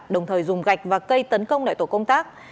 đồng thời dùng gạch và cây tấn công lại tổ công tác